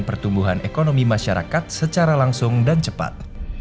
pertumbuhan ekonomi masyarakat secara langsung dan cepat